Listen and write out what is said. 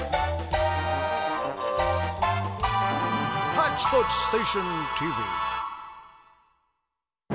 「ハッチポッチステーションＴＶ」。